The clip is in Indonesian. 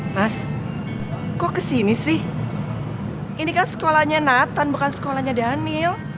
mas ini kan sekolahnya nathan bukan sekolahnya daniel